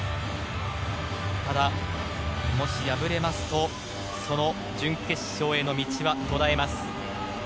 ただ、もし破れますとその準決勝への道は途絶えます。